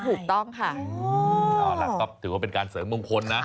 ถูกต้องค่ะเอาล่ะก็ถือว่าเป็นการเสริมมงคลนะ